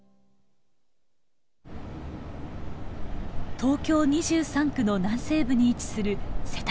東京２３区の南西部に位置する世田谷区。